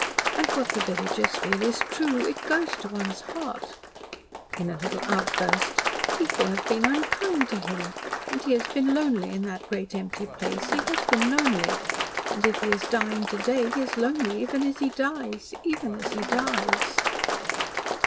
"And what the villagers feel is true. It goes to one's heart," in a little outburst. "People have been unkind to him! And he has been lonely in that great empty place he has been lonely. And if he is dying to day, he is lonely even as he dies even as he dies."